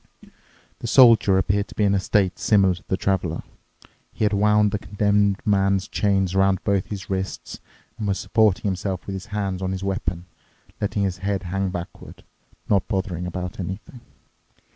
The Soldier appeared to be in a state similar to the Traveler. He had wound the Condemned Man's chain around both his wrists and was supporting himself with his hand on his weapon, letting his head hang backward, not bothering about anything.